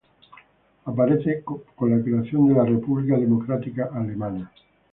Aparece con la creación de la República Democrática Alemana.